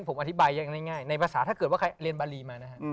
ผมอธิบายง่ายในภาษาถ้าเกิดว่าใครเรียนบารีมานะฮะ